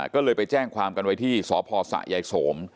ก็เลยไปแจ้งความกันไว้ที่สพสะยายโสม